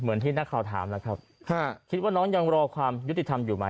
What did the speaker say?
เหมือนที่ให้ข้าวถามนะครับถ้าคิดว่าน้องอย่างรอความยุติธรรม